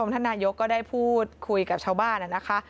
ท่านนายกรัฐมนตรีก็ได้พูดคุยกับชาวบ้าน